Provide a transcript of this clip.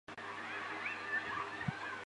朝鲜景宗的陵墓懿陵位于本区的石串洞。